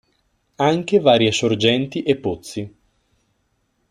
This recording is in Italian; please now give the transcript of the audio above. Anche varie sorgenti e pozzi.